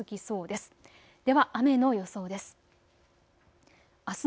では雨の予想です。